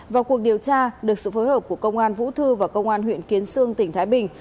vào cuộc điều tra được sự phối hợp của công an vũ thư và công an huyện kiến sương tỉnh thái bình